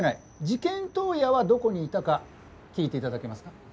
事件当夜はどこにいたか聞いて頂けますか？